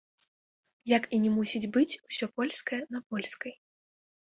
Як і не мусіць быць усё польскае на польскай.